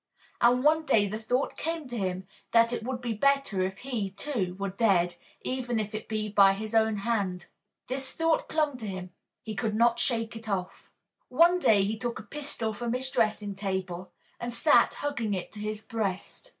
And one day the thought came to him that it would be better if he, too, were dead, even if it be by his own hand. This thought clung to him. He could not shake it off. One day he took a pistol from his dressing table and sat hugging it to his breast.